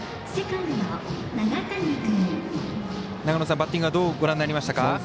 長野さん、バッティングはどうご覧になりましたか？